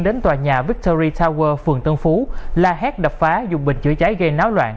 đến tòa nhà victory tower phường tân phú la hét đập phá dùng bình chữa cháy gây náo loạn